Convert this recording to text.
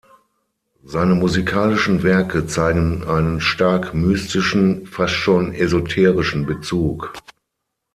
Seine musikalischen Werke zeigen einen stark mystischen, fast schon esoterischen Bezug.